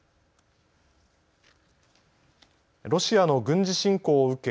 ロシアの軍事侵攻を受け